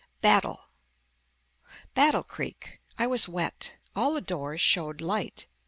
BATTLE Battle creek. I was wet. All the doors showed light.